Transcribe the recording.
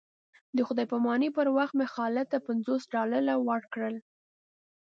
د خدای په امانۍ پر وخت مې خالد ته پنځوس ډالره ورکړل.